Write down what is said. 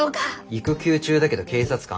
育休中だけど警察官。